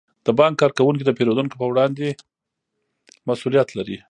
د بانک کارکوونکي د پیرودونکو په وړاندې مسئولیت لري.